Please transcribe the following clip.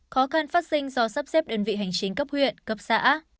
khó khăn phát sinh do sắp xếp đơn vị hành chính cấp huyện cấp xã